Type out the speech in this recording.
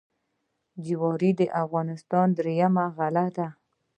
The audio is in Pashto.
جوار د افغانستان درېیمه غله ده.